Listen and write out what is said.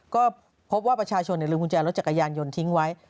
ก็พบว่าประชาชนลืมกุญแจรถจักรยานยนต์ทิ้งไว้